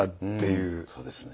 うんそうですね。